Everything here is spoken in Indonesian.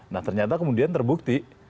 nah ternyata kemudian terbukti